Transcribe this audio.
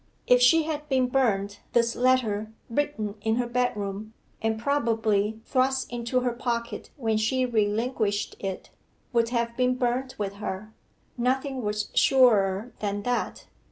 If she had been burnt, this letter, written in her bedroom, and probably thrust into her pocket when she relinquished it, would have been burnt with her. Nothing was surer than that.